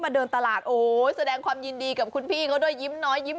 ไม่เคยค่ะถูกรางวัลแจกไม่เคยถ้าถูกก็สองตัวสามตัว